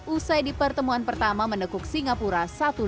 usai di pertemuan pertama menekuk singapura satu dua